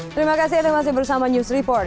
terima kasih anda masih bersama news report